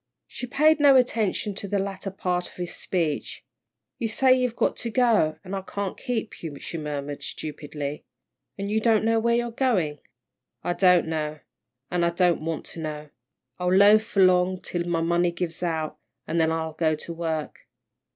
She paid no attention to the latter part of his speech. "You say you've got to go, an' I can't keep you," she murmured, stupidly, "an' you don't know where you're goin'." "I don't know, an' I don't want to know. I'll loaf along till my money gives out, then I'll go to work."